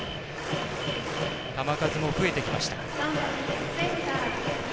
球数も増えてきました。